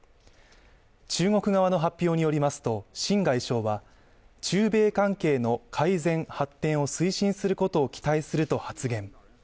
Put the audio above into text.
中国側の発表によりますと秦外相は中米関係の改善発展を推進することを期待すると発言。